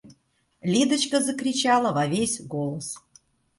Лидочка закричала во весь голос.